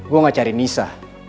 gue gak cari nisa